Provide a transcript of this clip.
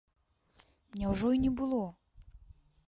Няўжо і не было?